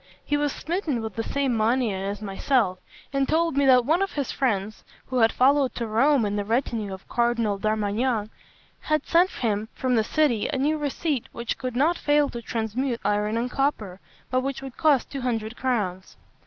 He was smitten with the same mania as myself, and told me that one of his friends, who had followed to Rome in the retinue of the Cardinal d'Armagnac, had sent him from that city a new receipt which could not fail to transmute iron and copper, but which would cost two hundred crowns.